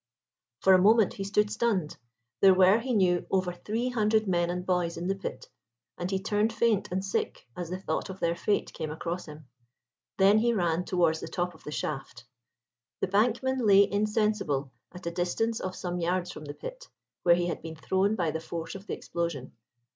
For a moment he stood stunned. There were, he knew, over three hundred men and boys in the pit, and he turned faint and sick as the thought of their fate came across him. Then he ran towards the top of the shaft. The bankman lay insensible at a distance of some yards from the pit, where he had been thrown by the force of the explosion.